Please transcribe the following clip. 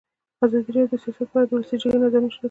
ازادي راډیو د سیاست په اړه د ولسي جرګې نظرونه شریک کړي.